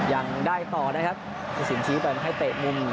ยังได้ต่อนะครับสิ่งชิ้นเป็นให้เตะมุม